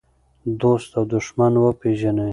دوست او دښمن وپېژنئ.